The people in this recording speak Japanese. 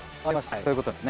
そういうことです。